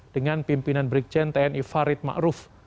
dengan pimpinan brikjen tni farid ma'ruf